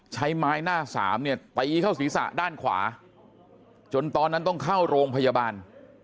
ใช้ไม้หน้าสามเนี่ยตีเข้าศีรษะด้านขวาจนตอนนั้นต้องเข้าโรงพยาบาล